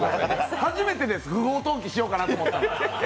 初めてです、不法投棄しようかなと思ったのは。